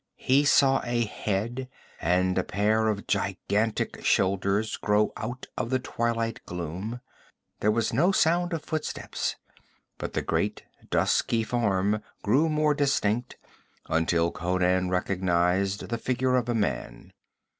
He saw a head and a pair of gigantic shoulders grow out of the twilight gloom. There was no sound of footsteps, but the great dusky form grew more distinct until Conan recognized the figure of a man.